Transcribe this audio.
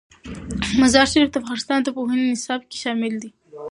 مزارشریف د افغانستان د پوهنې نصاب کې شامل دي.